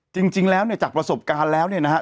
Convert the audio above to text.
จริงแล้วเนี่ยจากประสบการณ์แล้วเนี่ยนะครับ